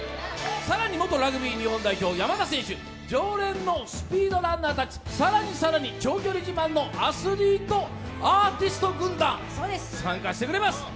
更に元ラグビー日本代表、山田選手、常連のスピードランナーたち、更に更に長距離自慢のアスリートアーティスト軍団、参加してくれます。